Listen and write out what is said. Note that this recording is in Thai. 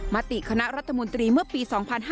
มติคณะรัฐมนตรีเมื่อปี๒๕๕๙